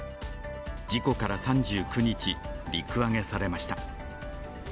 事故から３９日、陸揚げされました。